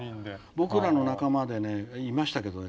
僕らの仲間でねいましたけどね